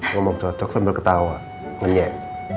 ngomong cocok sambil ketawa ngenyam